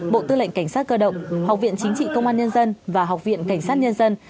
bộ tư lệnh cảnh sát cơ động học viện chính trị công an nhân dân và học viện cảnh sát nhân dân